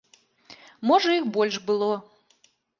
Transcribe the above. Можа іх больш было.